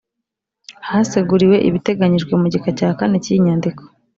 Haseguriwe ibiteganyijwe mu gika cya kane cy iyi nyandiko